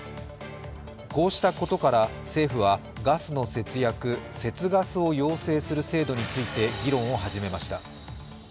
こうしたことから政府は、ガスの節約＝節ガスを要請する制度について議論を始めました。